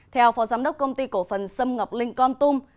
theo phó giám đốc công ty cổ phần sâm ngọc linh con tum